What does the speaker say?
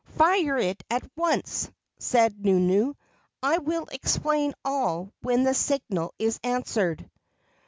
"Fire it at once!" said Nunu. "I will explain all when the signal is answered."